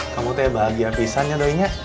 kamu tuh ya bahagia pisahnya doi nya